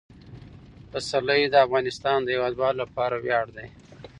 پسرلی د افغانستان د هیوادوالو لپاره ویاړ دی.